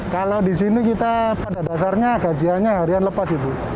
kalau di sini kita pada dasarnya gajiannya harian lepas ibu